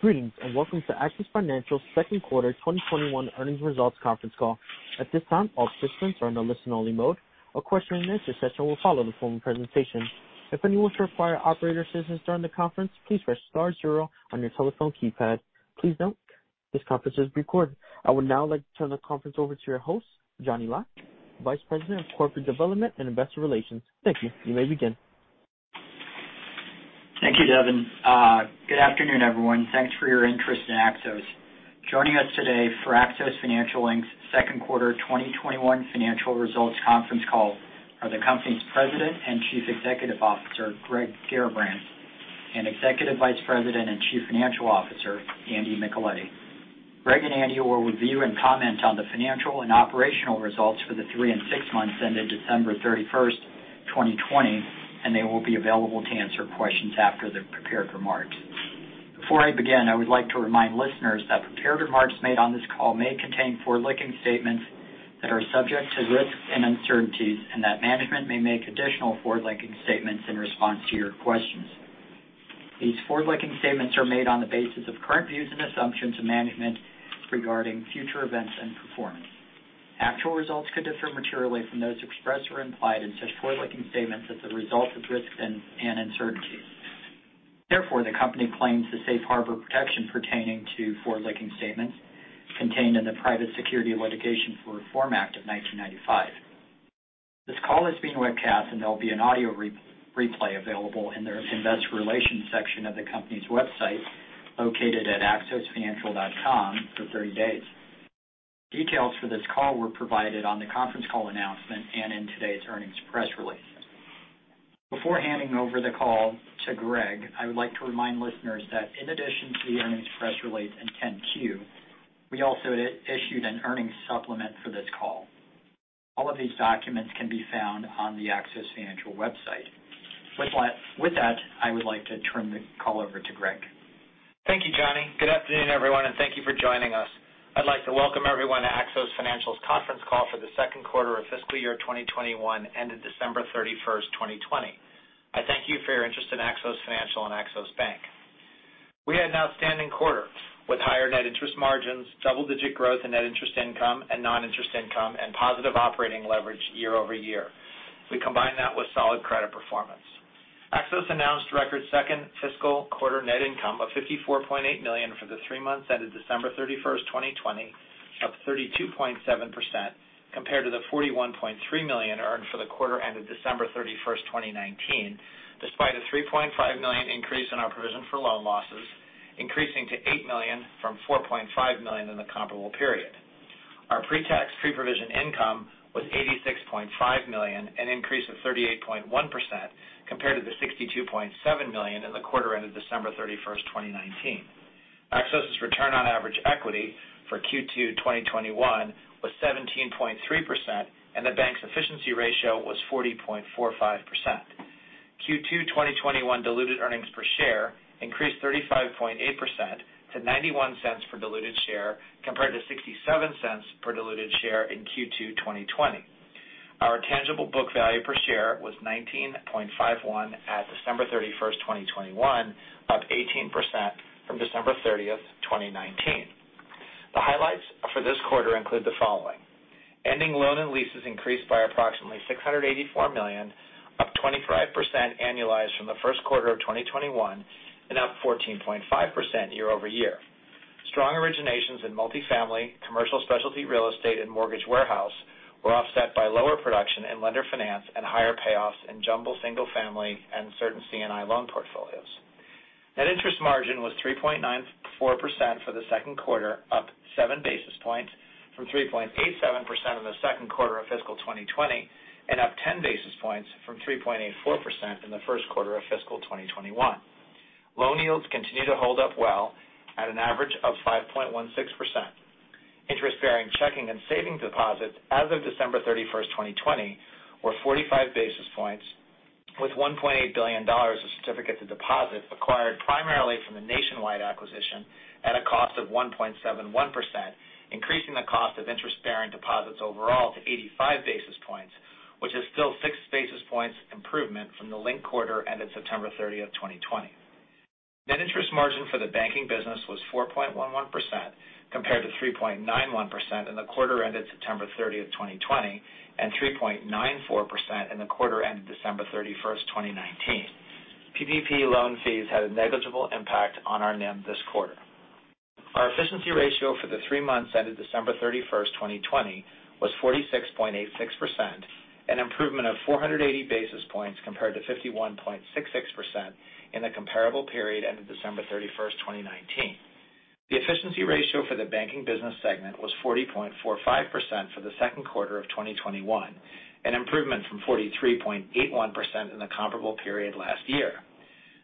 Greetings, welcome to Axos Financial's second quarter 2021 earnings results conference call. At this time, all participants are in a listen-only mode. A question and answer session will follow the formal presentation. If anyone should require operator assistance during the conference, please press star zero on your telephone keypad. Please note, this conference is recorded. I would now like to turn the conference over to your host, Johnny Lai, Vice President of Corporate Development and Investor Relations. Thank you. You may begin. Thank you, Devin. Good afternoon, everyone. Thanks for your interest in Axos. Joining us today for Axos Financial, Inc's second quarter 2021 financial results conference call are the company's President and Chief Executive Officer, Greg Garrabrants, and Executive Vice President and Chief Financial Officer, Andy Micheletti. Greg and Andy will review and comment on the financial and operational results for the three and six months ended December 31st, 2020, and they will be available to answer questions after the prepared remarks. Before I begin, I would like to remind listeners that prepared remarks made on this call may contain forward-looking statements that are subject to risks and uncertainties, and that management may make additional forward-looking statements in response to your questions. These forward-looking statements are made on the basis of current views and assumptions of management regarding future events and performance. Actual results could differ materially from those expressed or implied in such forward-looking statements as a result of risks and uncertainties. Therefore, the company claims the safe harbor protection pertaining to forward-looking statements contained in the Private Securities Litigation Reform Act of 1995. This call is being webcast, and there'll be an audio replay available in the Investor Relations section of the company's website, located at axosfinancial.com for 30 days. Details for this call were provided on the conference call announcement and in today's earnings press release. Before handing over the call to Greg, I would like to remind listeners that in addition to the earnings press release and 10-Q, we also issued an earnings supplement for this call. All of these documents can be found on the Axos Financial website. With that, I would like to turn the call over to Greg. Thank you, Johnny. Good afternoon, everyone, and thank you for joining us. I'd like to welcome everyone to Axos Financial's conference call for the second quarter of fiscal year 2021 ended December 31st, 2020. I thank you for your interest in Axos Financial and Axos Bank. We had an outstanding quarter with higher Net Interest Margins, double-digit growth in Net Interest Income and non-interest income, and positive operating leverage year-over-year. We combine that with solid credit performance. Axos announced record second fiscal quarter net income of $54.8 million for the three months ended December 31st, 2020, up 32.7%, compared to the $41.3 million earned for the quarter ended December 31st, 2019, despite a $3.5 million increase in our provision for loan losses, increasing to $8 million from $4.5 million in the comparable period. Our pre-tax, pre-provision income was $86.5 million, an increase of 38.1% compared to the $62.7 million in the quarter ended December 31st, 2019. Axos' return on average equity for Q2 2021 was 17.3%, and the bank's efficiency ratio was 40.45%. Q2 2021 diluted earnings per share increased 35.8% to $0.91 per diluted share, compared to $0.67 per diluted share in Q2 2020. Our tangible book value per share was $19.51 at December 31st, 2021, up 18% from December 30th, 2019. The highlights for this quarter include the following. Ending loan and leases increased by approximately $684 million, up 25% annualized from the first quarter of 2021, and up 14.5% year-over-year. Strong originations in multifamily, commercial specialty real estate, and mortgage warehouse were offset by lower production in lender finance and higher payoffs in jumbo single family and certain C&I loan portfolios. Net Interest Margin was 3.94% for the second quarter, up 7 basis points from 3.87% in the second quarter of fiscal 2020, and up 10 basis points from 3.84% in the first quarter of fiscal 2021. Loan yields continue to hold up well at an average of 5.16%. Interest-bearing checking and savings deposits as of December 31st, 2020, were 45 basis points with $1.8 billion of certificates of deposits acquired primarily from the Nationwide acquisition at a cost of 1.71%, increasing the cost of interest-bearing deposits overall to 85 basis points, which is still 6 basis points improvement from the linked quarter ended September 30th, 2020. Net Interest Margin for the banking business was 4.11%, compared to 3.91% in the quarter ended September 30th, 2020, and 3.94% in the quarter ended December 31st, 2019. PPP loan fees had a negligible impact on our NIM this quarter. Our efficiency ratio for the three months ended December 31st, 2020, was 46.86%, an improvement of 480 basis points compared to 51.66% in the comparable period ended December 31st, 2019. The efficiency ratio for the banking business segment was 40.45% for the second quarter of 2021, an improvement from 43.81% in the comparable period last year.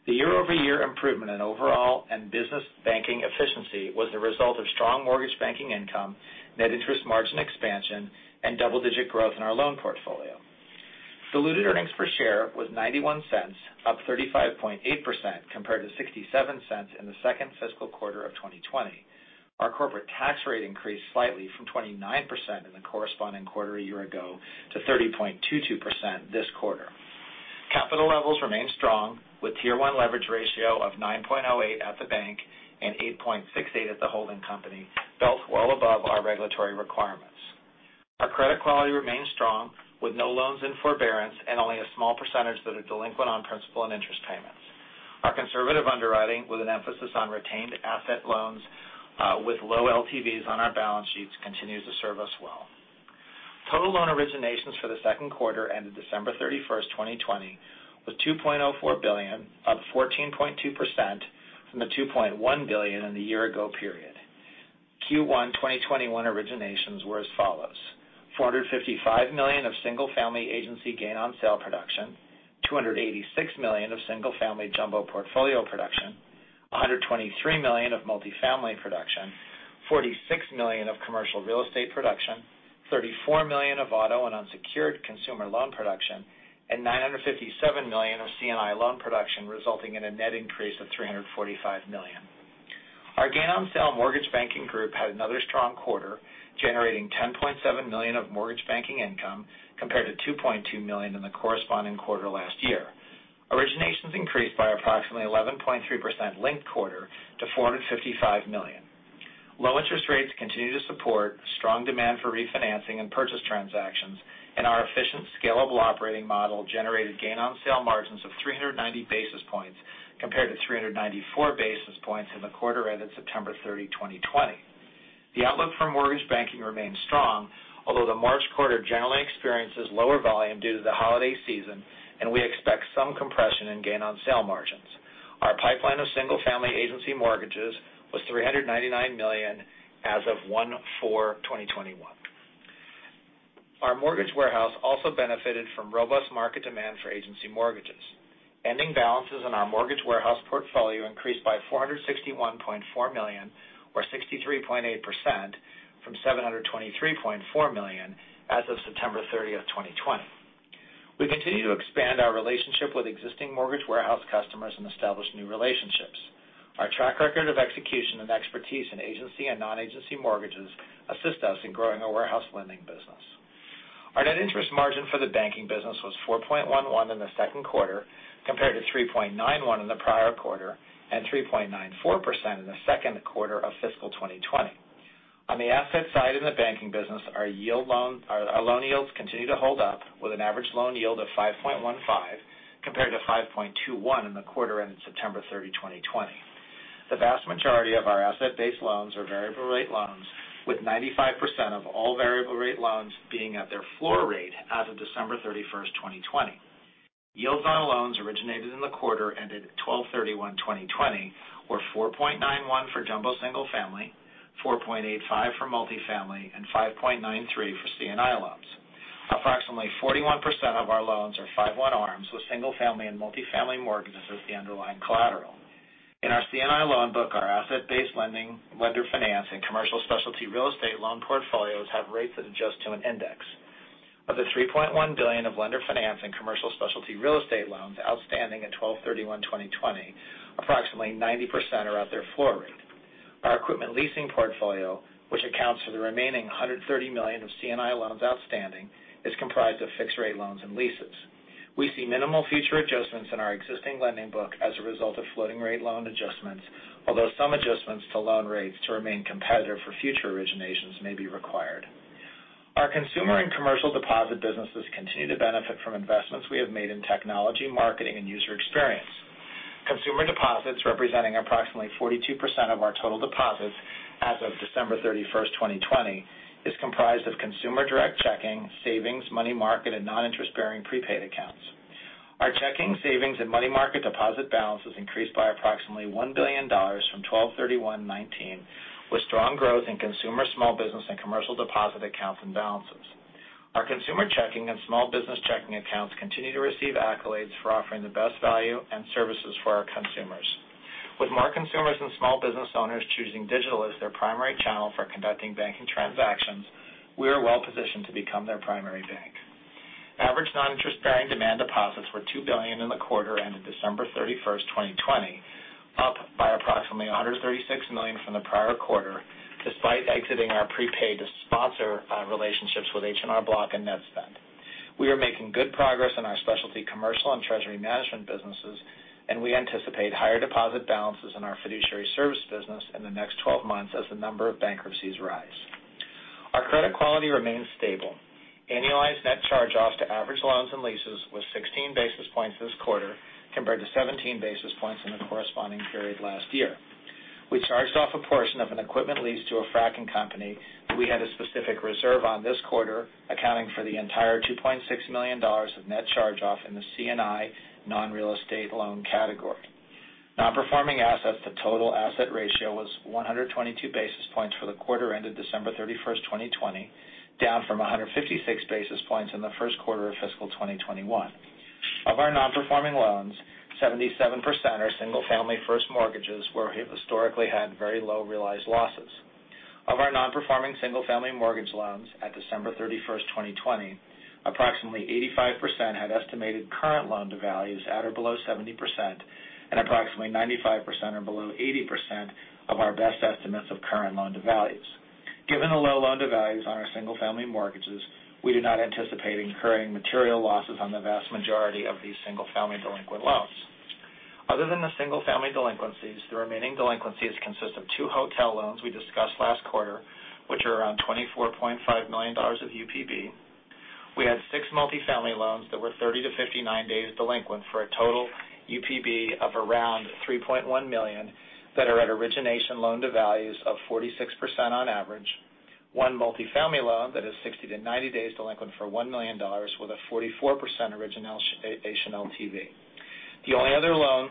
The year-over-year improvement in overall and business banking efficiency was the result of strong mortgage banking income, Net Interest Margin expansion, and double-digit growth in our loan portfolio. Diluted earnings per share was $0.91, up 35.8%, compared to $0.67 in the second fiscal quarter of 2020. Our corporate tax rate increased slightly from 29% in the corresponding quarter a year ago to 30.22% this quarter. Capital levels remain strong with Tier 1 leverage ratio of 9.08 at the bank and 8.68 at the holding company, both well above our regulatory requirements. Our credit quality remains strong with no loans in forbearance and only a small percentage that are delinquent on principal and interest payments. Our conservative underwriting, with an emphasis on retained asset loans with low LTVs on our balance sheets, continues to serve us well. Total loan originations for the second quarter ended December 31st, 2020, was $2.04 billion, up 14.2% from the $2.1 billion in the year-ago period. Q1 2021 originations were as follows: $455 million of single family agency gain on sale production, $286 million of single family jumbo portfolio production, $123 million of multifamily production, $46 million of commercial real estate production, $34 million of auto and unsecured consumer loan production, and $957 million of C&I loan production, resulting in a net increase of $345 million. Our gain on sale mortgage banking group had another strong quarter, generating $10.7 million of mortgage banking income compared to $2.2 million in the corresponding quarter last year. Originations increased by approximately 11.3% linked quarter to $455 million. Low interest rates continue to support strong demand for refinancing and purchase transactions, and our efficient, scalable operating model generated gain on sale margins of 390 basis points compared to 394 basis points in the quarter ended September 30, 2020. The outlook for mortgage banking remains strong, although the March quarter generally experiences lower volume due to the holiday season, and we expect some compression in gain on sale margins. Our pipeline of single family agency mortgages was $399 million as of 01/04/2021. Our mortgage warehouse also benefited from robust market demand for agency mortgages. Ending balances on our mortgage warehouse portfolio increased by $461.4 million or 63.8% from $723.4 million as of September 30, 2020. We continue to expand our relationship with existing mortgage warehouse customers and establish new relationships. Our track record of execution and expertise in agency and non-agency mortgages assist us in growing our warehouse lending business. Our Net Interest Margin for the banking business was 4.11% in the second quarter, compared to 3.91% in the prior quarter and 3.94% in the second quarter of fiscal 2020. On the asset side in the banking business, our loan yields continue to hold up with an average loan yield of 5.15% compared to 5.21% in the quarter ended September 30, 2020. The vast majority of our asset-based loans are variable rate loans, with 95% of all variable rate loans being at their floor rate as of December 31st, 2020. Yields on loans originated in the quarter ended 12/31/2020 were 4.91% for jumbo single family, 4.85% for multifamily, and 5.93% for C&I loans. Approximately 41% of our loans are 5/1 ARMs with single family and multifamily mortgages as the underlying collateral. In our C&I loan book, our asset-based lending, lender finance, and commercial specialty real estate loan portfolios have rates that adjust to an index. Of the $3.1 billion of lender finance and commercial specialty real estate loans outstanding at 12/31/2020, approximately 90% are at their floor rate. Our equipment leasing portfolio, which accounts for the remaining $130 million of C&I loans outstanding, is comprised of fixed rate loans and leases. We see minimal future adjustments in our existing lending book as a result of floating rate loan adjustments, although some adjustments to loan rates to remain competitive for future originations may be required. Our consumer and commercial deposit businesses continue to benefit from investments we have made in technology, marketing, and user experience. Consumer deposits, representing approximately 42% of our total deposits as of December 31st, 2020, is comprised of consumer direct checking, savings, money market, and non-interest bearing prepaid accounts. Our checking, savings, and money market deposit balances increased by approximately $1 billion from 12/31/2019, with strong growth in consumer small business and commercial deposit accounts and balances. Our consumer checking and small business checking accounts continue to receive accolades for offering the best value and services for our consumers. With more consumers and small business owners choosing digital as their primary channel for conducting banking transactions, we are well positioned to become their primary bank. Average non-interest-bearing demand deposits were $2 billion in the quarter ended December 31st, 2020, up by approximately $136 million from the prior quarter, despite exiting our prepaid sponsor relationships with H&R Block and Netspend. We are making good progress in our specialty commercial and treasury management businesses, and we anticipate higher deposit balances in our fiduciary service business in the next 12 months as the number of bankruptcies rise. Our credit quality remains stable. Annualized net charge-offs to average loans and leases was 16 basis points this quarter compared to 17 basis points in the corresponding period last year. We charged off a portion of an equipment lease to a fracking company that we had a specific reserve on this quarter, accounting for the entire $2.6 million of net charge-off in the C&I non-real estate loan category. Non-performing assets to total asset ratio was 122 basis points for the quarter ended December 31st, 2020, down from 156 basis points in the first quarter of fiscal 2021. Of our non-performing loans, 77% are single-family first mortgages where we've historically had very low realized losses. Of our non-performing single-family mortgage loans at December 31st, 2020, approximately 85% had estimated current Loan-to-Values at or below 70%, and approximately 95% are below 80% of our best estimates of current Loan-to-Values. Given the low Loan-to-Values on our single-family mortgages, we do not anticipate incurring material losses on the vast majority of these single-family delinquent loans. Other than the single-family delinquencies, the remaining delinquencies consist of two hotel loans we discussed last quarter, which are around $24.5 million of UPB. We had six multifamily loans that were 30-59 days delinquent for a total UPB of around $3.1 million that are at origination Loan-to-Values of 46% on average. One multifamily loan that is 60-90 days delinquent for $1 million with a 44% origination LTV. The only other loan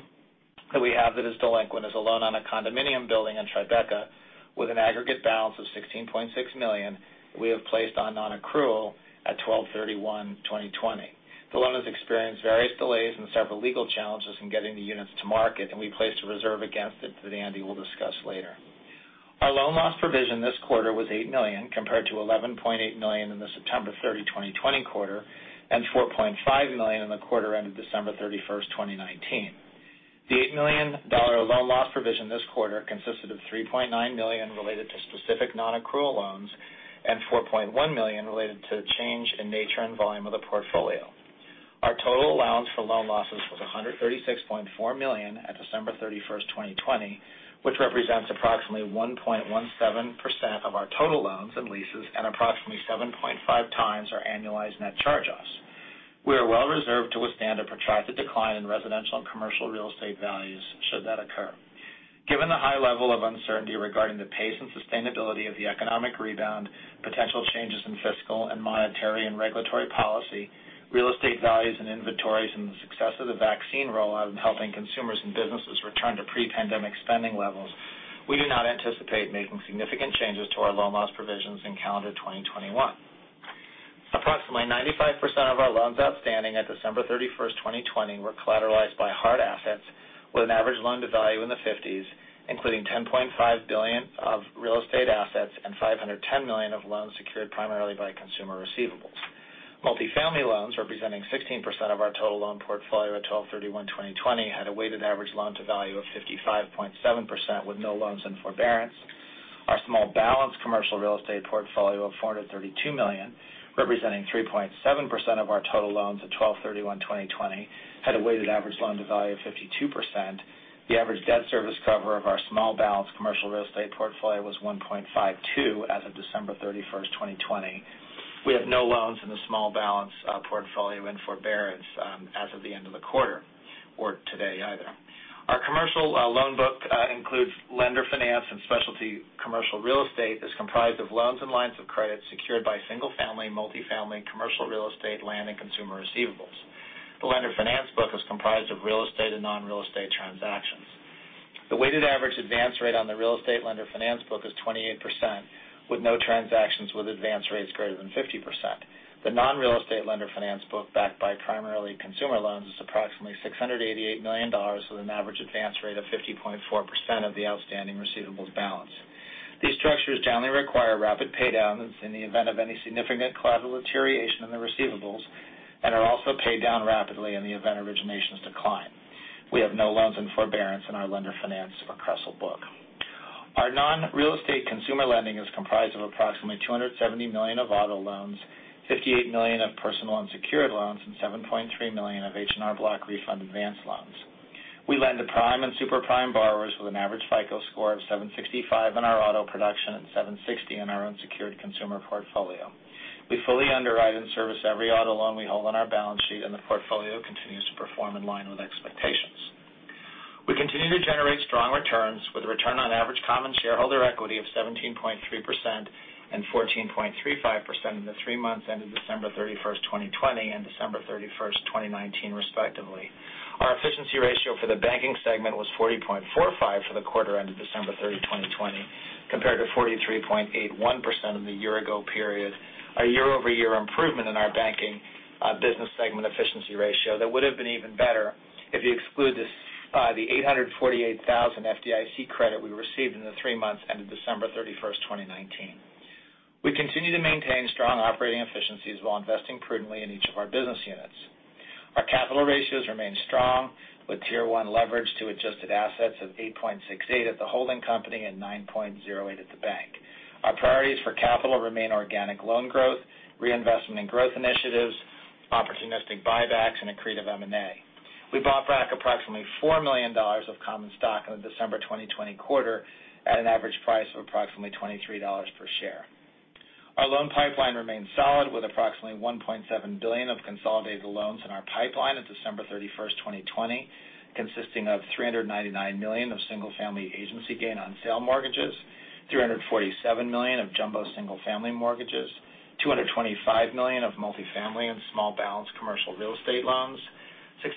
that we have that is delinquent is a loan on a condominium building in Tribeca with an aggregate balance of $16.6 million we have placed on non-accrual at 12/31/2020. The loan has experienced various delays and several legal challenges in getting the units to market, and we placed a reserve against it that Andy will discuss later. Our loan loss provision this quarter was $8 million compared to $11.8 million in the September 30, 2020 quarter, and $4.5 million in the quarter ended December 31, 2019. The $8 million loan loss provision this quarter consisted of $3.9 million related to specific non-accrual loans and $4.1 million related to the change in nature and volume of the portfolio. Our total allowance for loan losses was $136.4 million at December 31st, 2020, which represents approximately 1.17% of our total loans and leases at approximately 7.5x our annualized net charge-offs. We are well reserved to withstand a protracted decline in residential and commercial real estate values should that occur. Given the high level of uncertainty regarding the pace and sustainability of the economic rebound, potential changes in fiscal and monetary and regulatory policy, real estate values and inventories, and the success of the vaccine rollout in helping consumers and businesses return to pre-pandemic spending levels, we do not anticipate making significant changes to our loan loss provisions in calendar 2021. Approximately 95% of our loans outstanding at December 31st, 2020 were collateralized by hard assets with an average Loan-to-Value in the 50%, including $10.5 billion of real estate assets and $510 million of loans secured primarily by consumer receivables. Multifamily loans representing 16% of our total loan portfolio at 12/31/2020 had a weighted average Loan-to-Value of 55.7% with no loans in forbearance. Our small balance commercial real estate portfolio of $432 million, representing 3.7% of our total loans at 12/31/2020, had a weighted average Loan-to-Value of 52%. The average debt service cover of our small balance commercial real estate portfolio was 1.52 as of December 31, 2020. We have no loans in the small balance portfolio in forbearance as of the end of the quarter or today either. Our commercial loan book includes lender finance and specialty commercial real estate is comprised of loans and lines of credit secured by single family, multifamily, commercial real estate, land, and consumer receivables. The lender finance book is comprised of real estate and non-real estate transactions. The weighted average advance rate on the real estate lender finance book is 28%, with no transactions with advance rates greater than 50%. The non-real estate lender finance book, backed by primarily consumer loans, is approximately $688 million with an average advance rate of 50.4% of the outstanding receivables balance. These structures generally require rapid paydowns in the event of any significant collateral deterioration in the receivables and are also paid down rapidly in the event originations decline. We have no loans in forbearance in our lender finance or CRE loan book. Our non-real estate consumer lending is comprised of approximately $270 million of auto loans, $58 million of personal unsecured loans, and $7.3 million of H&R Block refund advance loans. We lend to prime and super prime borrowers with an average FICO score of 765 in our auto production and 760 in our unsecured consumer portfolio. We fully underwrite and service every auto loan we hold on our balance sheet, and the portfolio continues to perform in line with expectations. We continue to generate strong returns with a return on average common shareholder equity of 17.3% and 14.35% in the three months ended December 31st, 2020 and December 31st, 2019, respectively. Our efficiency ratio for the banking segment was 40.45% for the quarter ended December 30, 2020, compared to 43.81% in the year ago period, a year-over-year improvement in our banking business segment efficiency ratio that would have been even better if you exclude the $848,000 FDIC credit we received in the three months ended December 31st, 2019. We continue to maintain strong operating efficiencies while investing prudently in each of our business units. Our capital ratios remain strong with Tier 1 leverage to adjusted assets of 8.68% at the holding company and 9.08% at the bank. Our priorities for capital remain organic loan growth, reinvestment in growth initiatives, opportunistic buybacks, and accretive M&A. We bought back approximately $4 million of common stock in the December 2020 quarter at an average price of approximately $23 per share. Our loan pipeline remains solid with approximately $1.7 billion of consolidated loans in our pipeline at December 31st, 2020, consisting of $399 million of single-family agency gain on sale mortgages, $347 million of jumbo single-family mortgages, $225 million of multifamily and small balance commercial real estate loans,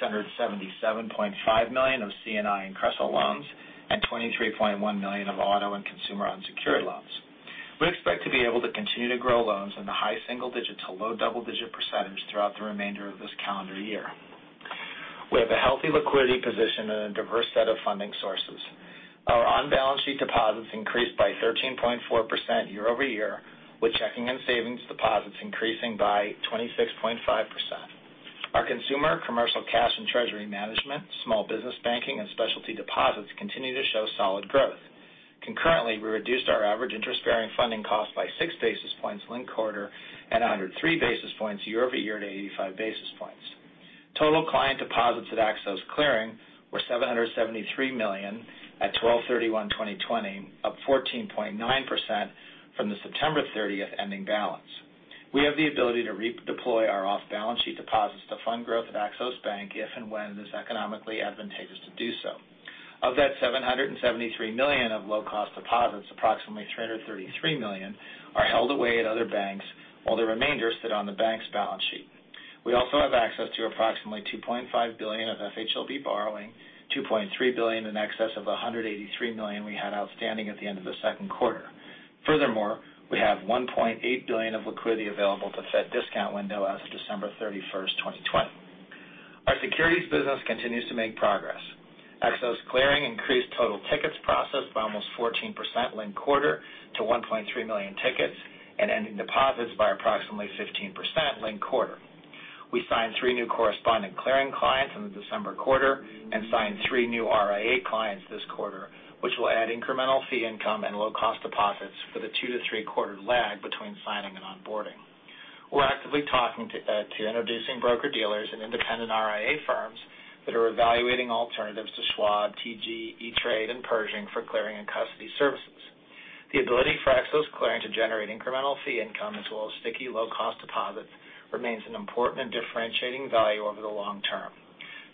$677.5 million of C&I and Crestle loans, and $23.1 million of auto and consumer unsecured loans. We expect to be able to continue to grow loans in the high single-digit to low double-digit percentage throughout the remainder of this calendar year. We have a healthy liquidity position and a diverse set of funding sources. Our on-balance sheet deposits increased by 13.4% year-over-year, with checking and savings deposits increasing by 26.5%. Our consumer commercial cash and treasury management, small business banking, and specialty deposits continue to show solid growth. Concurrently, we reduced our average interest-bearing funding cost by 6 basis points linked quarter and 103 basis points year-over-year to 85 basis points. Total client deposits at Axos Clearing were $773 million at 12/31/2020, up 14.9% from the September 30th ending balance. We have the ability to redeploy our off-balance sheet deposits to fund growth at Axos Bank if and when it is economically advantageous to do so. Of that $773 million of low-cost deposits, approximately $333 million are held away at other banks while the remainder sit on the bank's balance sheet. We also have access to approximately $2.5 billion of FHLB borrowing, $2.3 billion in excess of $183 million we had outstanding at the end of the second quarter. Furthermore, we have $1.8 billion of liquidity available to Fed discount window as of December 31st, 2020. Our securities business continues to make progress. Axos Clearing increased total tickets processed by almost 14% linked quarter to 1.3 million tickets and ending deposits by approximately 15% linked quarter. We signed three new correspondent clearing clients in the December quarter and signed three new RIA clients this quarter, which will add incremental fee income and low-cost deposits for the two to three-quarter lag between signing and onboarding. We're actively talking to introducing broker-dealers and independent RIA firms that are evaluating alternatives to Schwab, TD, E*TRADE, and Pershing for clearing and custody services. The ability for Axos Clearing to generate incremental fee income as well as sticky low-cost deposits remains an important and differentiating value over the long term.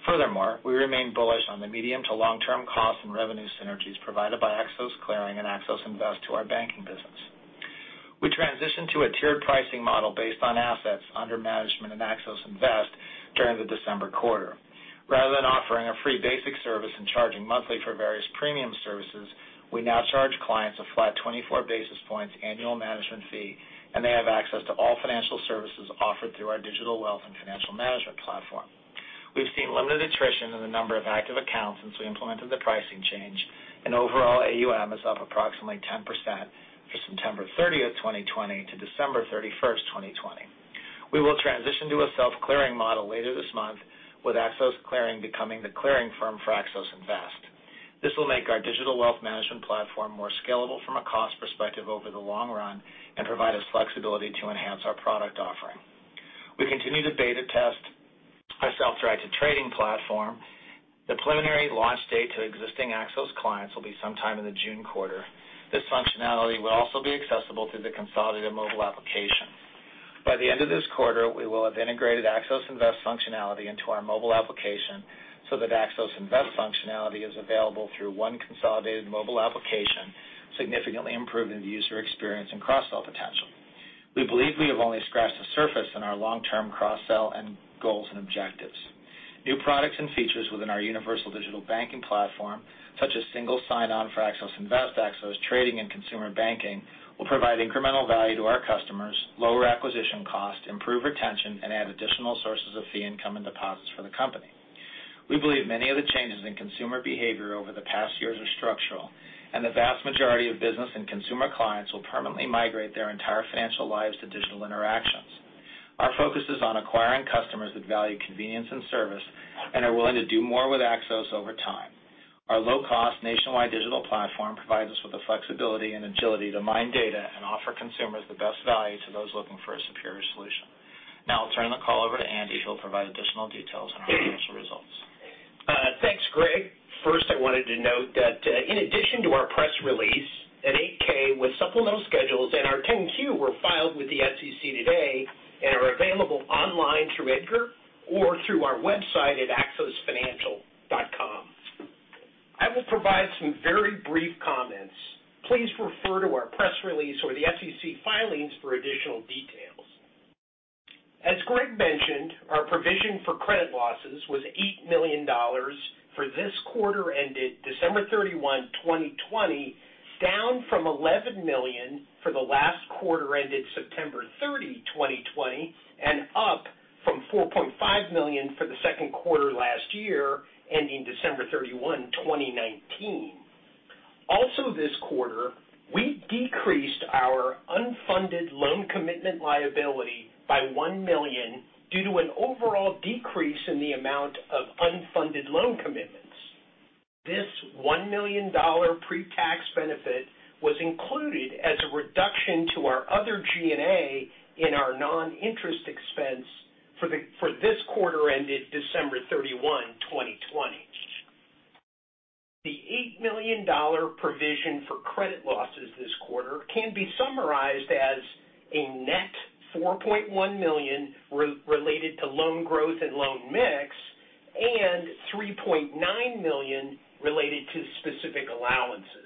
Furthermore, we remain bullish on the medium to long-term cost and revenue synergies provided by Axos Clearing and Axos Invest to our banking business. We transitioned to a tiered pricing model based on assets under management in Axos Invest during the December quarter. Rather than offering a free basic service and charging monthly for various premium services, we now charge clients a flat 24 basis points annual management fee, and they have access to all financial services offered through our digital wealth and financial management platform. We've seen limited attrition in the number of active accounts since we implemented the pricing change, and overall AUM is up approximately 10% for September 30th, 2020 to December 31st, 2020. We will transition to a self-clearing model later this month with Axos Clearing becoming the clearing firm for Axos Invest. This will make our digital wealth management platform more scalable from a cost perspective over the long run and provide us flexibility to enhance our product offering. We continue to beta test our self-directed trading platform. The preliminary launch date to existing Axos clients will be sometime in the June quarter. This functionality will also be accessible through the consolidated mobile application. By the end of this quarter, we will have integrated Axos Invest functionality into our mobile application so that Axos Invest functionality is available through one consolidated mobile application, significantly improving the user experience and cross-sell potential. We believe we have only scratched the surface in our long-term cross-sell end goals and objectives. New products and features within our universal digital banking platform, such as single sign-on for Axos Invest, Axos Trading, and consumer banking, will provide incremental value to our customers, lower acquisition cost, improve retention, and add additional sources of fee income and deposits for the company. We believe many of the changes in consumer behavior over the past years are structural, and the vast majority of business and consumer clients will permanently migrate their entire financial lives to digital interactions. Our focus is on acquiring customers that value convenience and service and are willing to do more with Axos over time. Our low-cost nationwide digital platform provides us with the flexibility and agility to mine data and offer consumers the best value to those looking for a superior solution. I'll turn the call over to Andy, who'll provide additional details on our financial results. Thanks, Greg. First, I wanted to note that in addition to our press release, an 8-K with supplemental schedules and our 10-Q were filed with the SEC today and are available online through EDGAR or through our website at axosfinancial.com. I will provide some very brief comments. Please refer to our press release or the SEC filings for additional details. As Greg mentioned, our provision for credit losses was $8 million for this quarter ended December 31, 2020, down from $11 million for the last quarter ended September 30, 2020, and up from $4.5 million for the second quarter last year, ending December 31, 2019. Also, this quarter, we decreased our unfunded loan commitment liability by $1 million due to an overall decrease in the amount of unfunded loan commitments. This $1 million pre-tax benefit was included as a reduction to our other G&A in our non-interest expense for this quarter ended December 31, 2020. The $8 million provision for credit losses this quarter can be summarized as a net $4.1 million related to loan growth and loan mix and $3.9 million related to specific allowances.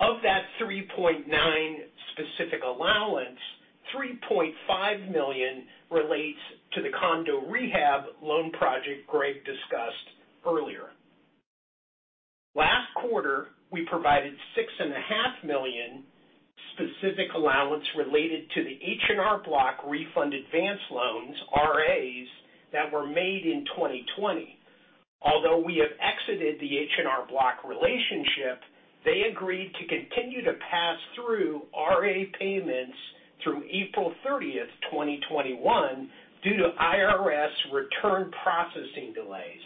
Of that $3.9 million specific allowance, $3.5 million relates to the condo rehab loan project Greg discussed earlier. Last quarter, we provided $6.5 million specific allowance related to the H&R Block Refund Advance loans, RAs, that were made in 2020. Although we have exited the H&R Block relationship, they agreed to continue to pass through RA payments through April 30, 2021 due to IRS return processing delays.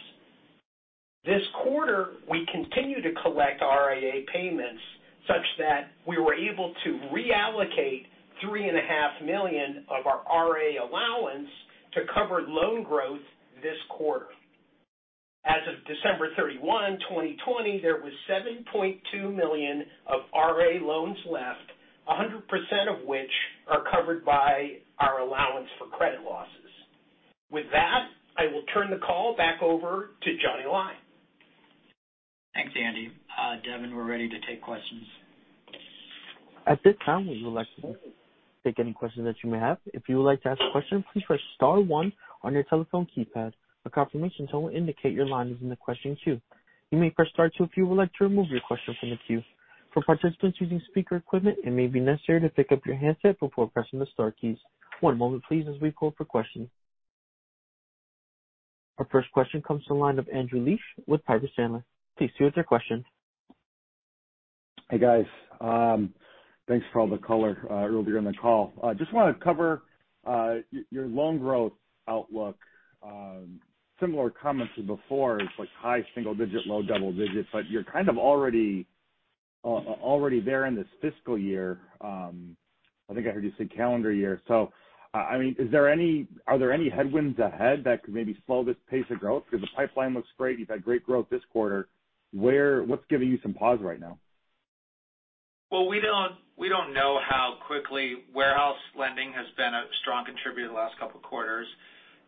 This quarter, we continue to collect RA payments such that we were able to reallocate $3.5 million of our RA allowance to cover loan growth this quarter. As of December 31, 2020, there was $7.2 million of RA loans left, 100% of which are covered by our allowance for credit losses. With that, I will turn the call back over to Johnny Lai. Thanks, Andy. Devin, we're ready to take questions. At this time, we would like to take any questions that you may have. If you would like to ask a question, please press star one on your telephone keypad. A confirmation tone will indicate your line is in the question queue. You may press star two if you would like to remove your question from the queue. For participants using speaker equipment, it may be necessary to pick up your handset before pressing the star keys. One moment please, as we call for questions. Our first question comes from the line of Andrew Liesch with Piper Sandler. Please go with your question. Hey, guys. Thanks for all the color earlier in the call. Just want to cover your loan growth outlook. Similar comments as before, it's like high single digit, low double digits, but you're kind of already there in this fiscal year. I think I heard you say calendar year. Are there any headwinds ahead that could maybe slow this pace of growth? The pipeline looks great. You've had great growth this quarter. What's giving you some pause right now? We don't know how quickly warehouse lending has been a strong contributor the last couple of quarters.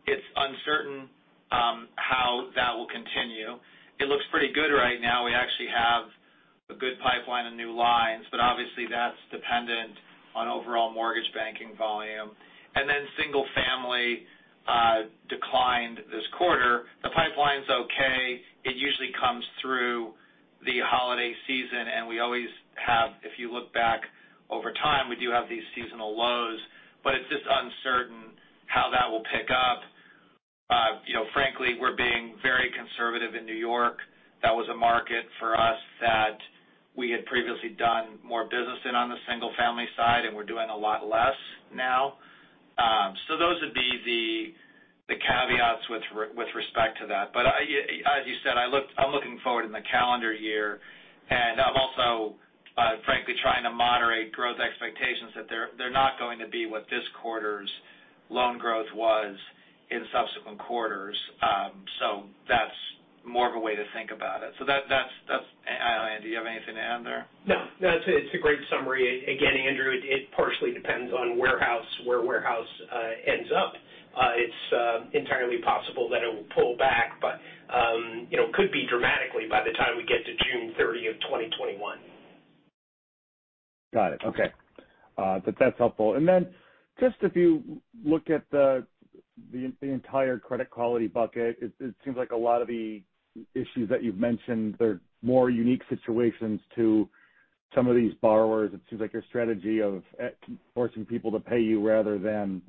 It's uncertain how that will continue. It looks pretty good right now. We actually have a good pipeline of new lines. Obviously that's dependent on overall mortgage banking volume. Single family declined this quarter. The pipeline's okay. It usually comes through the holiday season. We always have, if you look back over time, we do have these seasonal lows. It's just uncertain how that will pick up. Frankly, we're being very conservative in New York. That was a market for us that we had previously done more business in on the single family side. We're doing a lot less now. Those would be the caveats with respect to that. As you said, I'm looking forward in the calendar year, and I'm also frankly trying to moderate growth expectations that they're not going to be what this quarter's loan growth was in subsequent quarters. That's more of a way to think about it. Andy, do you have anything to add there? No. It's a great summary. Again, Andrew, it partially depends on where warehouse ends up. It's entirely possible that it will pull back, could be dramatically by the time we get to June 30th, 2021. Got it. Okay. That's helpful. Just if you look at the entire credit quality bucket, it seems like a lot of the issues that you've mentioned are more unique situations to some of these borrowers. It seems like your strategy of forcing people to pay you rather than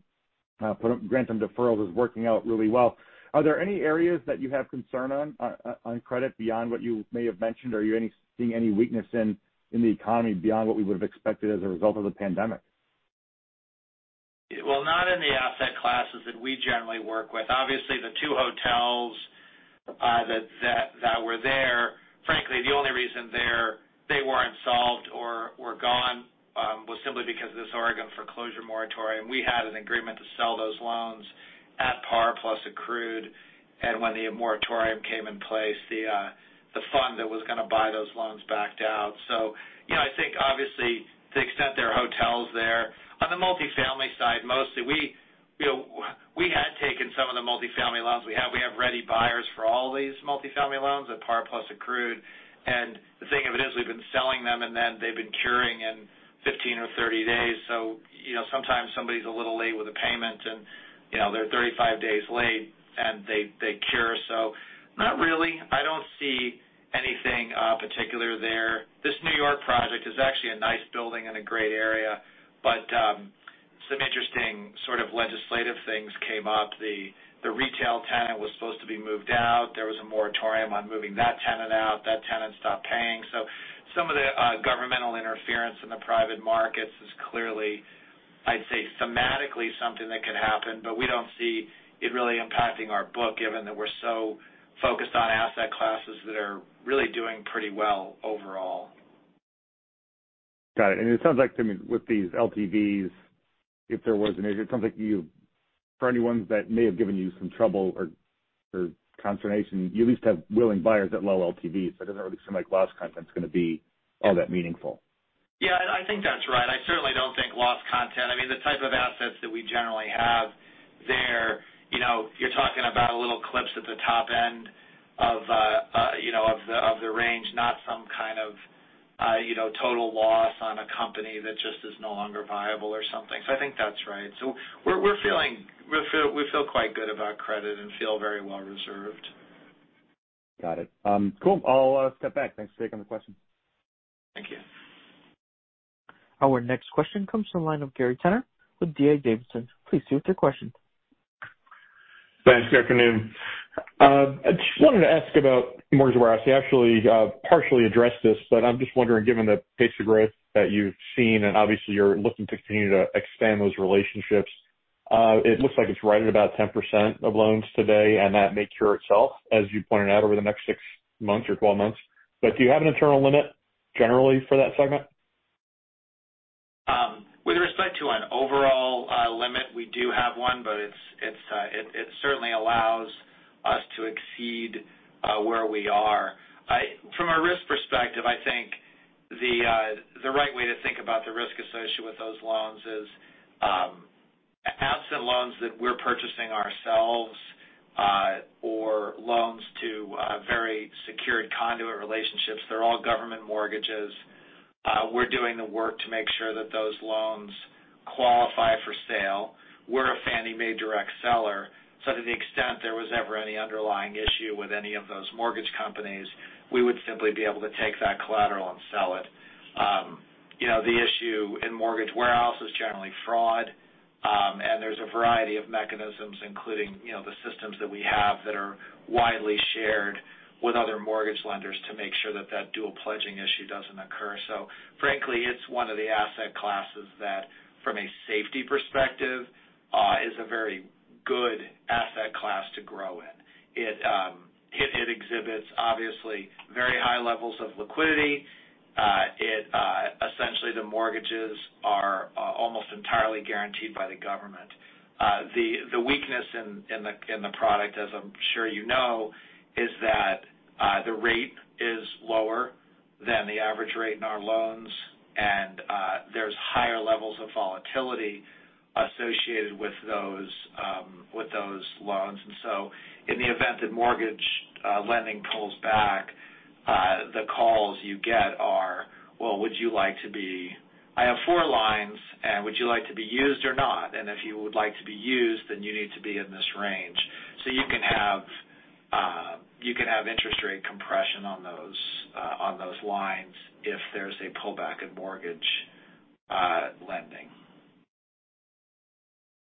grant them deferrals is working out really well. Are there any areas that you have concern on credit beyond what you may have mentioned? Are you seeing any weakness in the economy beyond what we would've expected as a result of the pandemic? Well, not in the asset classes that we generally work with. Obviously, the two hotels that were there, frankly, the only reason they weren't solved or were gone, was simply because of this Oregon foreclosure moratorium. We had an agreement to sell those loans at par plus accrued, and when the moratorium came in place, the fund that was going to buy those loans backed out. I think obviously to the extent there are hotels there. On the multifamily side, mostly, we had taken some of the multifamily loans we have. We have ready buyers for all these multifamily loans at par plus accrued. The thing of it is, we've been selling them, and then they've been curing in 15 or 30 days. Sometimes somebody's a little late with a payment, and they're 35 days late, and they cure. Not really. I don't see anything particular there. This New York project is actually a nice building in a great area, some interesting sort of legislative things came up. The retail tenant was supposed to be moved out. There was a moratorium on moving that tenant out. That tenant stopped paying. Some of the governmental interference in the private markets is clearly, I'd say, thematically something that could happen, we don't see it really impacting our book, given that we're so focused on asset classes that are really doing pretty well overall. Got it. It sounds like to me with these LTVs, if there was an issue, it sounds like for any ones that may have given you some trouble or consternation, you at least have willing buyers at low LTVs. It doesn't really seem like loss content's going to be all that meaningful. Yeah, I think that's right. I certainly don't think loss content. I mean, the type of assets that we generally have there, you're talking about little clips at the top end of the range, not some kind of total loss on a company that just is no longer viable or something. I think that's right. We feel quite good about credit and feel very well reserved. Got it. Cool. I'll step back. Thanks for taking the question. Thank you. Our next question comes from the line of Gary Tenner with D.A. Davidson. Please proceed with your question. Thanks. Good afternoon. I just wanted to ask about mortgage warehouse. You actually partially addressed this, I'm just wondering, given the pace of growth that you've seen, and obviously you're looking to continue to expand those relationships. It looks like it's right at about 10% of loans today, and that may cure itself, as you pointed out, over the next 6 months or 12 months. Do you have an internal limit generally for that segment? With respect to an overall limit, we do have one, but it certainly allows us to exceed where we are. From a risk perspective, I think the right way to think about the risk associated with those loans is absent loans that we're purchasing ourselves or loans to very secured conduit relationships. They're all government mortgages. We're doing the work to make sure that those loans qualify for sale. We're a FNMA direct seller, so to the extent there was ever any underlying issue with any of those mortgage companies, we would simply be able to take that collateral and sell it. The issue in mortgage warehouse is generally fraud. There's a variety of mechanisms, including the systems that we have that are widely shared with other mortgage lenders to make sure that dual pledging issue doesn't occur. Frankly, it's one of the asset classes that, from a safety perspective, is a very good asset class to grow in. It exhibits obviously very high levels of liquidity. Essentially, the mortgages are almost entirely guaranteed by the government. The weakness in the product, as I'm sure you know, is that the rate is lower than the average rate in our loans, and there's higher levels of volatility associated with those loans. In the event that mortgage lending pulls back, the calls you get are, "Well, would you like to be. I have four lines, and would you like to be used or not? If you would like to be used, then you need to be in this range." You can have interest rate compression on those lines if there's a pullback in mortgage lending.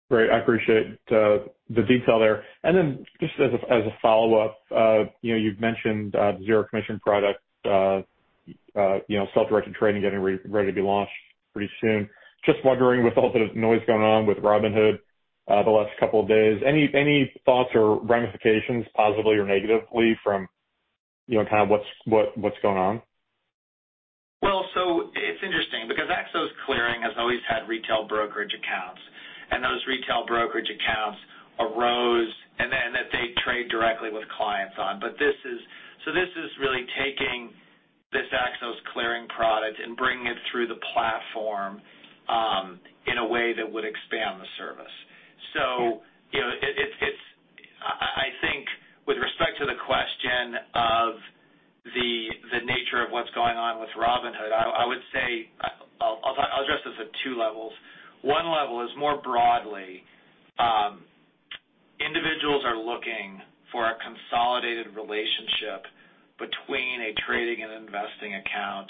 Great. I appreciate the detail there. Just as a follow-up, you've mentioned the zero commission product self-directed trading getting ready to be launched pretty soon. Just wondering, with all the noise going on with Robinhood the last couple of days, any thoughts or ramifications, positively or negatively from kind of what's going on? Well, it's interesting because Axos Clearing has always had retail brokerage accounts, and those retail brokerage accounts arose and then that they trade directly with clients on. This is really taking this Axos Clearing product and bringing it through the platform in a way that would expand the service. I think with respect to the question of the nature of what's going on with Robinhood, I would say I'll address this at two levels. One level is more broadly. Individuals are looking for a consolidated relationship between a trading and investing account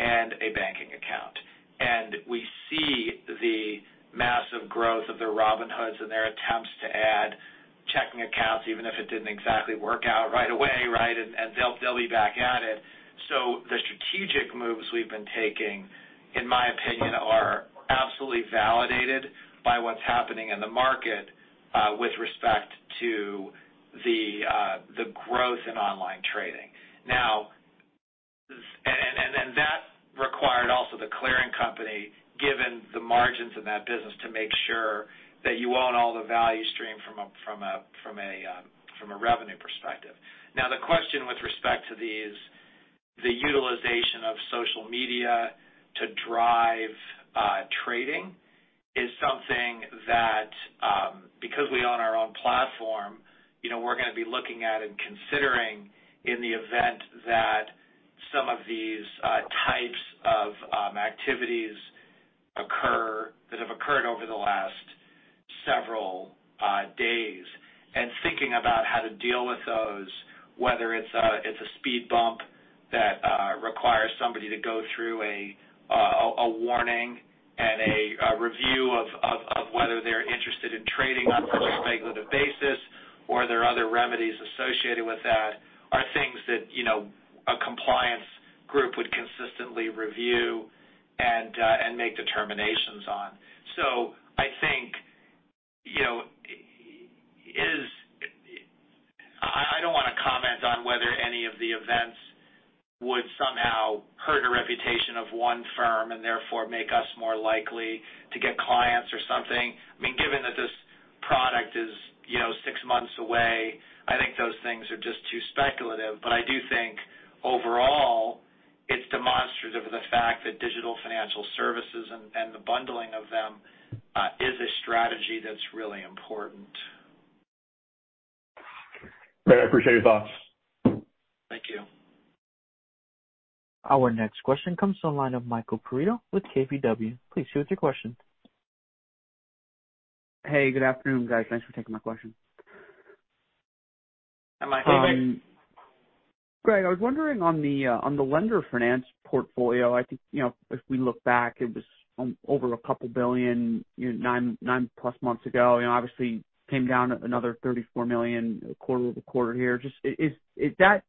and a banking account. We see the massive growth of the Robinhoods and their attempts to add checking accounts, even if it didn't exactly work out right away, right? They'll be back at it. The strategic moves we've been taking, in my opinion, are absolutely validated by what's happening in the market with respect to the growth in online trading. That required also the clearing company, given the margins in that business, to make sure that you own all the value stream from a revenue perspective. The question with respect to these, the utilization of social media to drive trading is something that because we own our own platform we're going to be looking at and considering in the event that some of these types of activities occur that have occurred over the last several days and thinking about how to deal with those, whether it's a speed bump that requires somebody to go through a warning and a review of whether they're interested in trading on a speculative basis or there are other remedies associated with that are things that a compliance group would consistently review and make determinations on. I think I don't want to comment on whether any of the events would somehow hurt a reputation of one firm and therefore make us more likely to get clients or something. Given that this product is six months away, I think those things are just too speculative. I do think overall, it's demonstrative of the fact that digital financial services and the bundling of them is a strategy that's really important. Great. I appreciate your thoughts. Thank you. Our next question comes from the line of Michael Perito with KBW. Hey, good afternoon, guys. Thanks for taking my question. Greg, I was wondering on the lender finance portfolio, I think if we look back, it was over $2 billion nine plus months ago. Obviously came down another $34 million quarter-over-quarter here. Do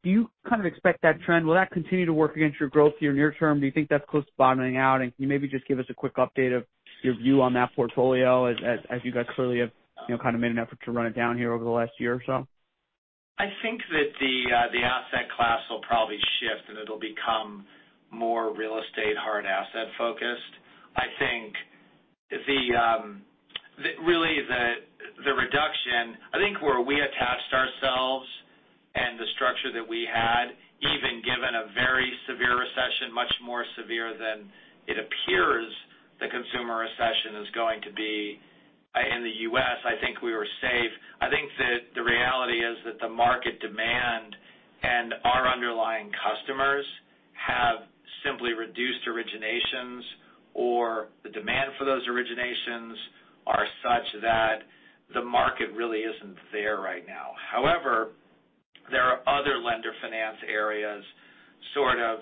you kind of expect that trend? Will that continue to work against your growth here near-term? Do you think that's close to bottoming out? Can you maybe just give us a quick update of your view on that portfolio as you guys clearly have kind of made an effort to run it down here over the last year or so? I think that the asset class will probably shift, and it'll become more real estate hard asset-focused. I think really the reduction, I think where we attached ourselves and the structure that we had, even given a very severe recession, much more severe than it appears the consumer recession is going to be in the U.S., I think we were safe. I think that the reality is that the market demand and our underlying customers have simply reduced originations or the demand for those originations are such that the market really isn't there right now. However, there are other lender finance areas sort of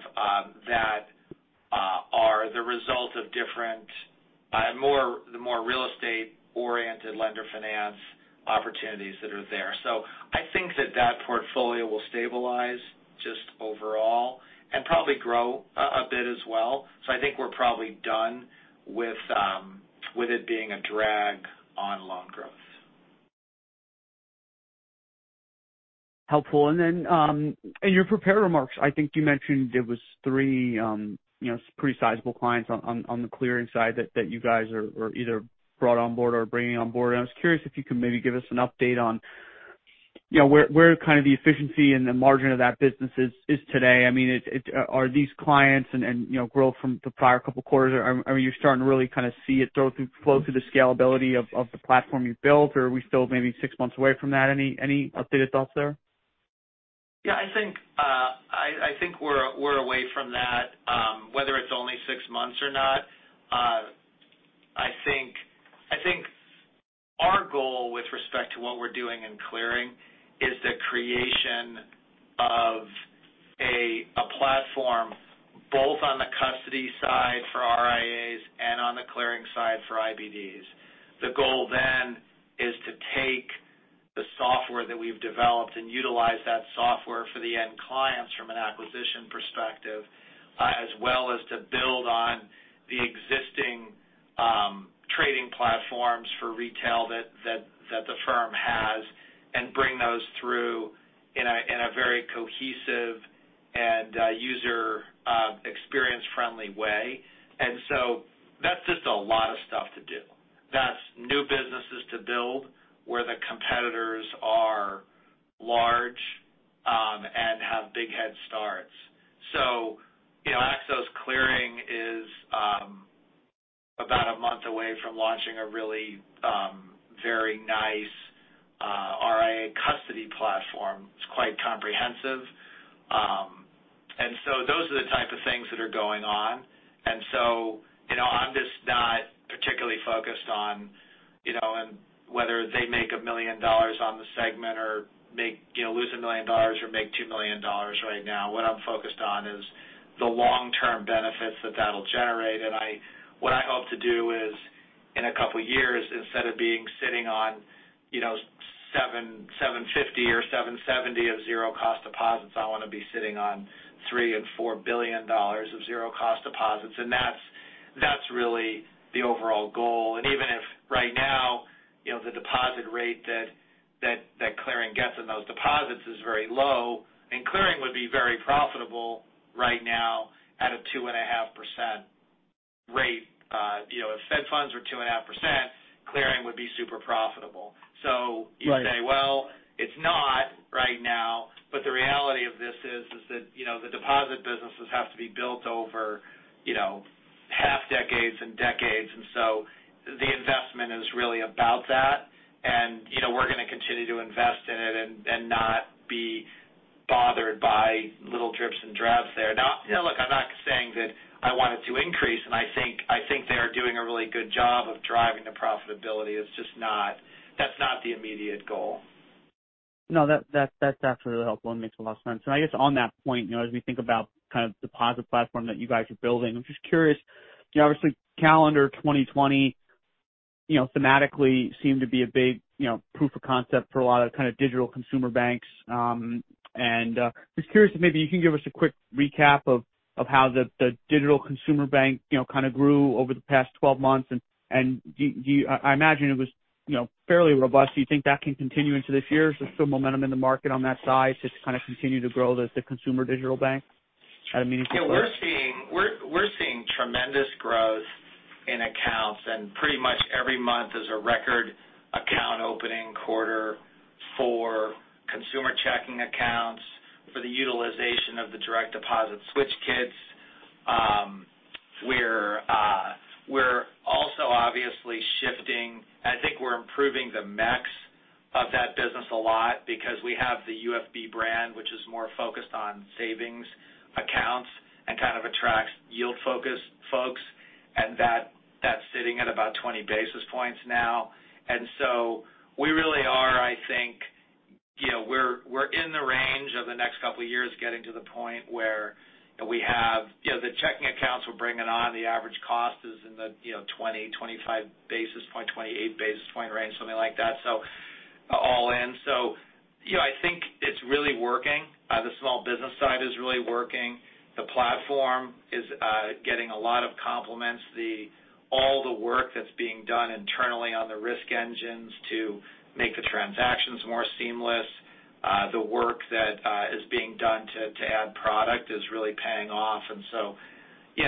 that are the result of different, the more real estate-oriented lender finance opportunities that are there. I think that that portfolio will stabilize just overall and probably grow a bit as well. I think we're probably done with it being a drag on loan growth. Helpful. In your prepared remarks, I think you mentioned there was three pretty sizable clients on the clearing side that you guys either brought on board or are bringing on board. I was curious if you could maybe give us an update on where kind of the efficiency and the margin of that business is today. Are these clients and growth from the prior couple quarters, are you starting to really kind of see it flow through the scalability of the platform you've built, or are we still maybe six months away from that? Any updated thoughts there? Yeah, I think we're away from that. Whether it's only six months or not. I think our goal with respect to what we're doing in clearing is the creation of a platform both on the custody side for RIAs and on the clearing side for IBDs. The goal then is to take the software that we've developed and utilize that software for the end clients from an acquisition perspective as well as to build on the existing trading platforms for retail that the firm has and bring those through in a very cohesive and user experience-friendly way. That's just a lot of stuff to do. That's new businesses to build where the competitors are large and have big head starts. Axos Clearing is about a month away from launching a really very nice RIA custody platform. It's quite comprehensive. Those are the type of things that are going on. I'm just not particularly focused on whether they make $1 million on the segment or lose $1 million or make $2 million right now. What I'm focused on is the long-term benefits that that'll generate. What I hope to do is in a couple of years, instead of being sitting on $750 million or $770 million of zero-cost deposits, I want to be sitting on $3 billion and $4 billion of zero-cost deposits. That's really the overall goal. Even if right now the deposit rate that clearing gets in those deposits is very low, clearing would be very profitable right now at a 2.5% rate. If Fed funds were 2.5%, clearing would be super profitable. You say, well, it's not right now. The reality of this is that the deposit businesses have to be built over half decades and decades. The investment is really about that. We're going to continue to invest in it and not be bothered by little drips and drabs there. Look, I'm not saying that I want it to increase, and I think they are doing a really good job of driving the profitability. That's not the immediate goal. No, that's really helpful and makes a lot of sense. I guess on that point, as we think about kind of deposit platform that you guys are building, I'm just curious. Obviously calendar 2020 thematically seemed to be a big proof of concept for a lot of kind of digital consumer banks. Just curious if maybe you can give us a quick recap of how the digital consumer bank kind of grew over the past 12 months. I imagine it was fairly robust. Do you think that can continue into this year? Is there still momentum in the market on that side to kind of continue to grow the consumer digital bank at a meaningful rate? Yeah, we're seeing tremendous growth in accounts. Pretty much every month is a record account opening quarter for consumer checking accounts for the utilization of the direct deposit switch kits. We're also obviously shifting. I think we're improving the mix of that business a lot because we have the UFB brand, which is more focused on savings accounts and kind of attracts yield-focused, sitting at about 20 basis points now. We really are, I think, we're in the range of the next couple of years getting to the point where we have the checking accounts we're bringing on. The average cost is in the 20, 25 basis point, 28 basis point range, something like that, all in. I think it's really working. The small business side is really working. The platform is getting a lot of compliments. All the work that's being done internally on the risk engines to make the transactions more seamless, the work that is being done to add product is really paying off. Yeah,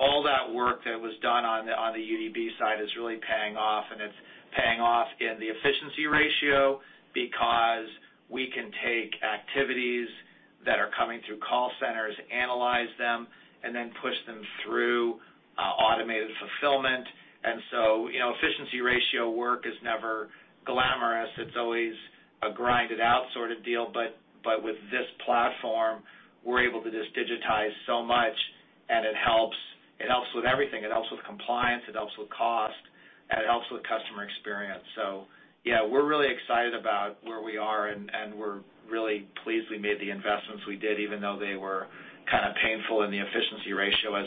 all that work that was done on the UDB side is really paying off, and it's paying off in the efficiency ratio because we can take activities that are coming through call centers, analyze them, and then push them through automated fulfillment. Efficiency ratio work is never glamorous. It's always a grind-it-out sort of deal. With this platform, we're able to just digitize so much, and it helps with everything. It helps with compliance, it helps with cost, and it helps with customer experience. Yeah, we're really excited about where we are, and we're really pleased we made the investments we did, even though they were kind of painful in the efficiency ratio as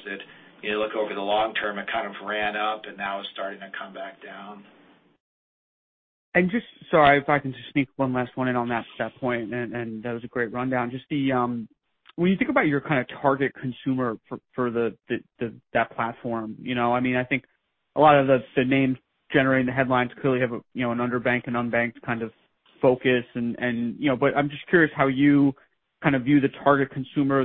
you look over the long term, it kind of ran up and now is starting to come back down. Just, sorry, if I can just sneak one last one in on that point. That was a great rundown. When you think about your kind of target consumer for that platform, I think a lot of the names generating the headlines clearly have an underbanked and unbanked kind of focus. I'm just curious how you kind of view the target consumer,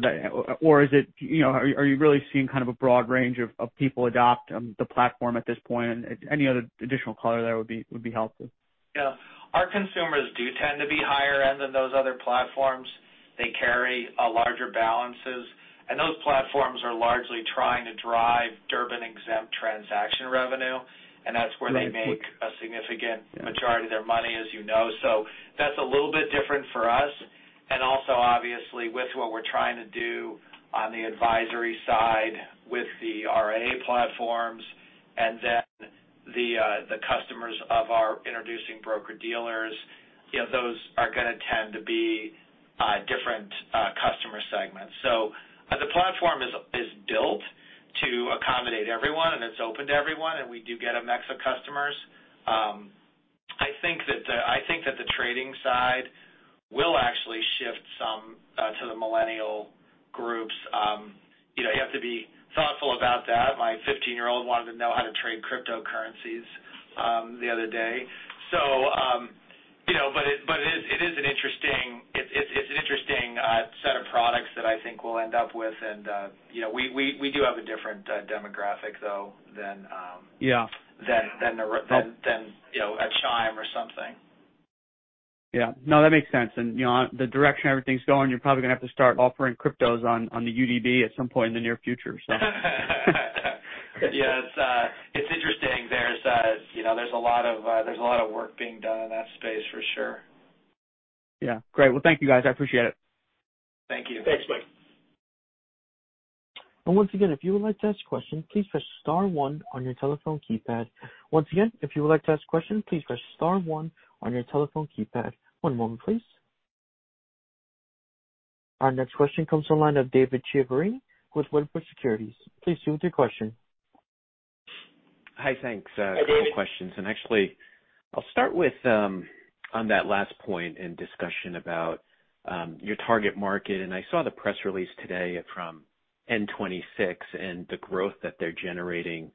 or are you really seeing kind of a broad range of people adopt the platform at this point? Any other additional color there would be helpful. Yeah. Our consumers do tend to be higher end than those other platforms. They carry larger balances, and those platforms are largely trying to drive Durbin exempt transaction revenue. Right. A significant majority of their money, as you know. That's a little bit different for us. Also, obviously, with what we're trying to do on the advisory side with the RIA platforms and then the customers of our introducing broker-dealers, those are going to tend to be different customer segments. The platform is built to accommodate everyone, and it's open to everyone, and we do get a mix of customers. I think that the trading side will actually shift some to the millennial groups. You have to be thoughtful about that. My 15-year-old wanted to know how to trade cryptocurrencies the other day. It is an interesting set of products that I think we'll end up with. We do have a different demographic, though. Yeah. At Chime or something. Yeah. No, that makes sense. The direction everything's going, you're probably going to have to start offering cryptos on the UDB at some point in the near future. Yeah, it's interesting. There's a lot of work being done in that space, for sure. Yeah. Great. Well, thank you, guys. I appreciate it. Thank you. Thanks, Mike. Once again, if you would like to ask a question, please press star one on your telephone keypad. Once again, if you would like to ask a question, please press star one on your telephone keypad. One moment please. Our next question comes from the line of David Chiaverini with Wedbush Securities. Please proceed with your question. Hi. Thanks. Hi, David. A couple questions. Actually, I'll start with on that last point in discussion about your target market, and I saw the press release today from N26 and the growth that they're generating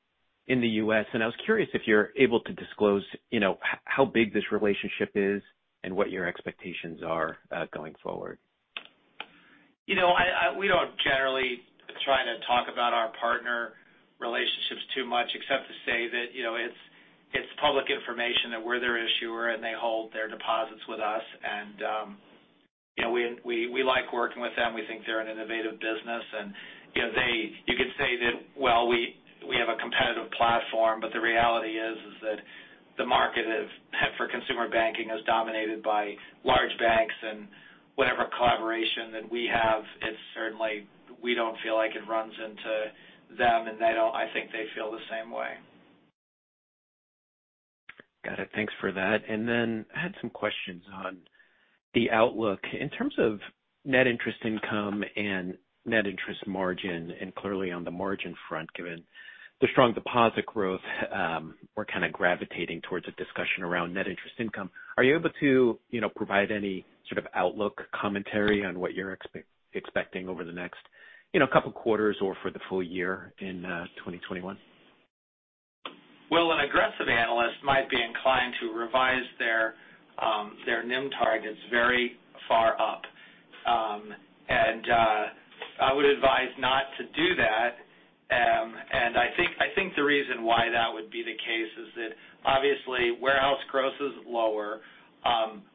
in the U.S., and I was curious if you're able to disclose how big this relationship is and what your expectations are going forward. We don't generally try to talk about our partner relationships too much except to say that it's public information that we're their issuer, and they hold their deposits with us. We like working with them. We think they're an innovative business, and you could say that, well, we have a competitive platform. The reality is that the market for consumer banking is dominated by large banks. Whatever collaboration that we have, it's certainly, we don't feel like it runs into them, and I think they feel the same way. Got it. Thanks for that. I had some questions on the outlook. In terms of Net Interest Income and Net Interest Margin, and clearly on the margin front, given the strong deposit growth, we're kind of gravitating towards a discussion around Net Interest Income. Are you able to provide any sort of outlook commentary on what you're expecting over the next couple quarters or for the full year in 2021? Well, an aggressive analyst might be inclined to revise their NIM targets very far up. I would advise not to do that. I think the reason why that would be the case is that obviously warehouse growth is lower.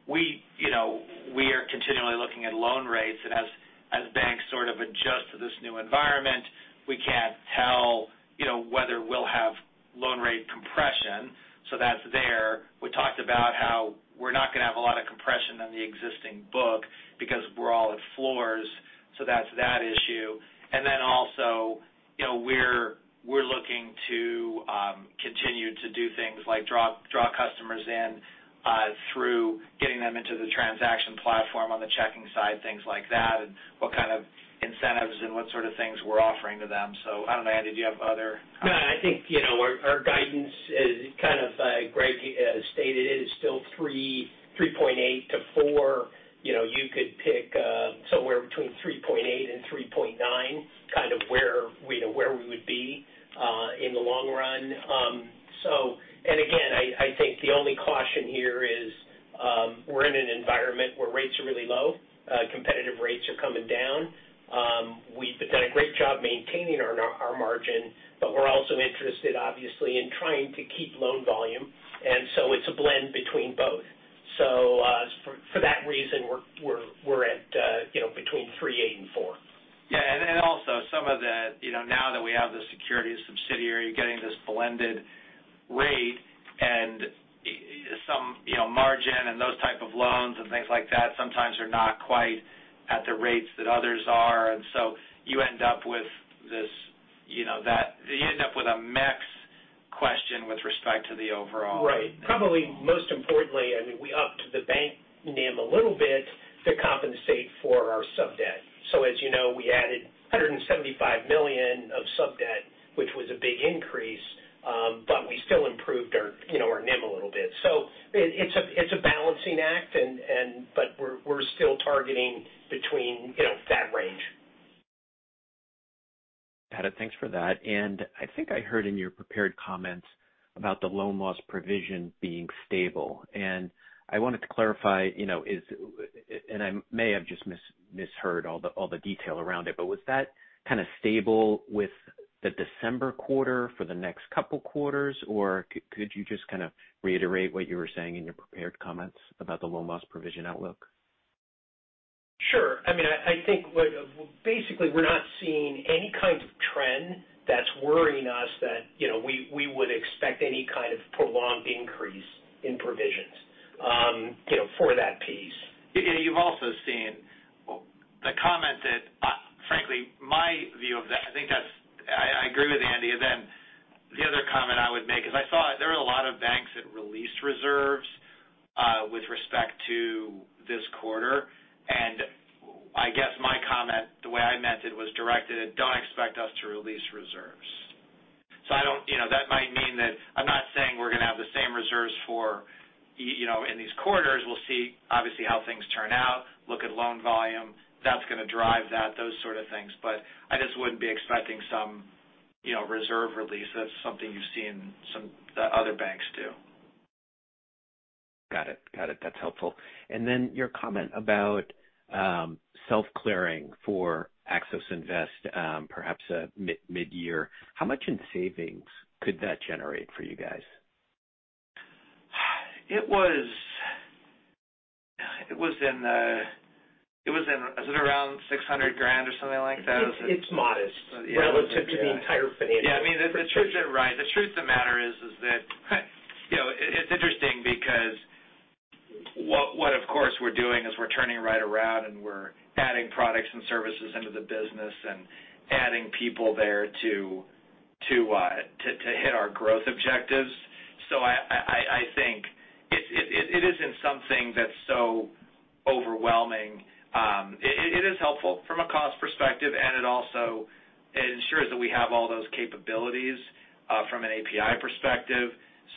We are continually looking at loan rates and as banks sort of adjust to this new environment, we can't tell whether we'll have loan rate compression. That's there. We're not going to have a lot of compression on the existing book because we're all at floors. That's that issue. Also, we're looking to continue to do things like draw customers in through getting them into the transaction platform on the checking side, things like that, and what kind of incentives and what sort of things we're offering to them. I don't know, Andy, do you have other comments? No, I think our guidance is kind of, Greg stated it, is still 3.8 to 4. You could pick somewhere between 3.8 and 3.9, kind of where we would be in the long run. Again, I think the only caution here is we're in an environment where rates are really low. Competitive rates are coming down. We've done a great job maintaining our margin, we're also interested, obviously, in trying to keep loan volume. It's a blend between both. For that reason, we're at between 3.8 and 4. Yeah. Now that we have the securities subsidiary, you're getting this blended rate and some margin, and those type of loans and things like that sometimes are not quite at the rates that others are. You end up with a mix question with respect to the overall. Right. Probably most importantly, we upped the bank NIM a little bit to compensate for our sub-debt. As you know, we added $175 million of sub-debt, which was a big increase, but we still improved our NIM a little bit. It's a balancing act, but we're still targeting between that range. Got it. Thanks for that. I think I heard in your prepared comments about the loan loss provision being stable. I wanted to clarify, and I may have just misheard all the detail around it, but was that kind of stable with the December quarter for the next couple quarters? Could you just kind of reiterate what you were saying in your prepared comments about the loan loss provision outlook? Sure. I think basically we're not seeing any kind of trend that's worrying us that we would expect any kind of prolonged increase in provisions for that piece. You've also seen the comment that, frankly, my view of that, I think that's. I agree with Andy. The other comment I would make is I saw there were a lot of banks that released reserves with respect to this quarter. I guess my comment, the way I meant it, was directed at don't expect us to release reserves. That might mean that I'm not saying we're going to have the same reserves in these quarters. We'll see obviously how things turn out, look at loan volume. That's going to drive that, those sort of things. I just wouldn't be expecting some reserve release as something you've seen some other banks do. Got it. That's helpful. Your comment about self-clearing for Axos Invest perhaps mid-year. How much in savings could that generate for you guys? Is it around $600,000 or something like that? It's modest relative to the entire financial institution. The truth of matter is that it's interesting because what of course we're doing is we're turning right around and we're adding products and services into the business and adding people there to hit our growth objectives. I think it isn't something that's so overwhelming. It is helpful from a cost perspective, and it also ensures that we have all those capabilities from an API perspective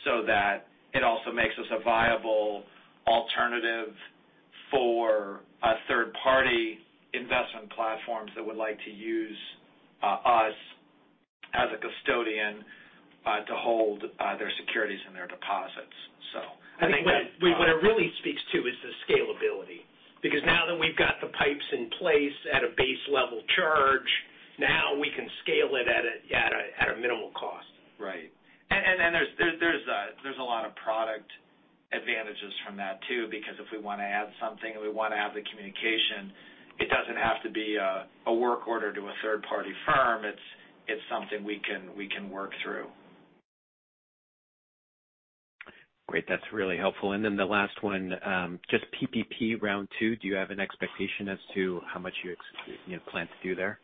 so that it also makes us a viable alternative for third-party investment platforms that would like to use us as a custodian to hold their securities and their deposits. I think that. What it really speaks to is the scalability. Now that we've got the pipes in place at a base level charge, now we can scale it at a minimal cost. Right. There's a lot of product advantages from that too because if we want to add something and we want to have the communication, it doesn't have to be a work order to a third-party firm. It's something we can work through. Great. That's really helpful. The last one, just PPP round two. Do you have an expectation as to how much you plan to do there?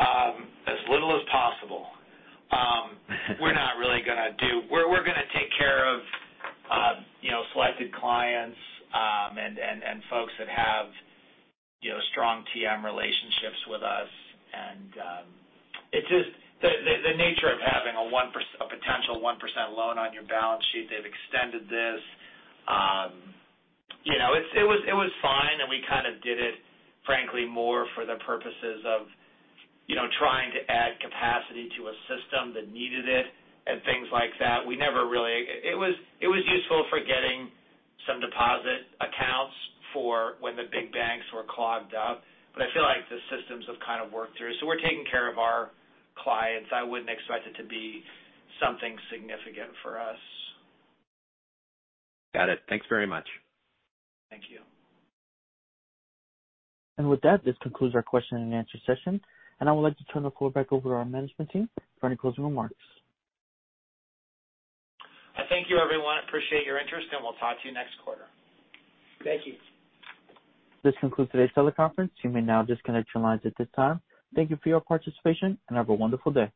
As little as possible. We're going to take care of selected clients and folks that have strong TM relationships with us. It's just the nature of having a potential 1% loan on your balance sheet. They've extended this. It was fine, and we kind of did it, frankly, more for the purposes of trying to add capacity to a system that needed it and things like that. It was useful for getting some deposit accounts for when the big banks were clogged up. I feel like the systems have kind of worked through. We're taking care of our clients. I wouldn't expect it to be something significant for us. Got it. Thanks very much. Thank you. With that, this concludes our question and answer session. I would like to turn the floor back over to our management team for any closing remarks. Thank you, everyone. Appreciate your interest, and we'll talk to you next quarter. Thank you. This concludes today's teleconference. You may now disconnect your lines at this time. Thank you for your participation, and have a wonderful day.